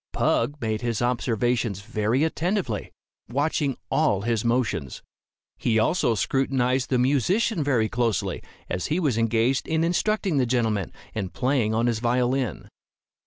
Pug made his observations very attentively, watching all his motions. He also scrutinized the musician very closely, as he was engaged in instructing the gentleman, and playing on his violin.